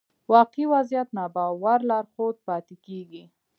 واقعي وضعيت ناباور لارښود پاتې کېږي.